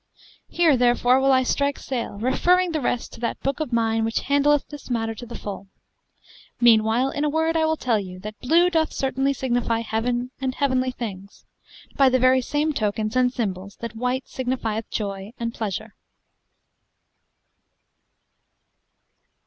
Here, therefore, will I strike sail, referring the rest to that book of mine which handleth this matter to the full. Meanwhile, in a word I will tell you, that blue doth certainly signify heaven and heavenly things, by the same very tokens and symbols that white signifieth joy and pleasure.